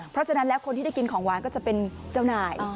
เพราะฉะนั้นแล้วคนที่ได้กินของหวานก็จะเป็นเจ้านาย